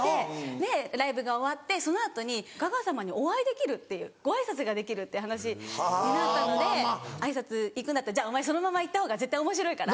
でライブが終わってその後にガガ様にお会いできるご挨拶ができるって話になったので挨拶行くんだったらお前そのまま行ったほうが絶対おもしろいから。